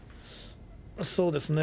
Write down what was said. そうですね。